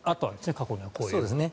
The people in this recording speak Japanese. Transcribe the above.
過去にはこういうことが。